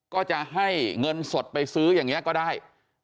ก็จะให้เงินสดไปซื้ออย่างนี้ก็ได้